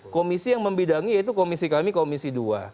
komisi yang membidangi yaitu komisi kami komisi dua